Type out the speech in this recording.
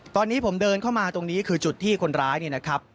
ตอนนี้ผมเดินเข้ามาตรงนี้คือจุดที่คนร้ายเนี่ยนะครับ